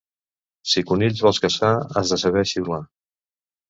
Si conills vols caçar, has de saber xiular.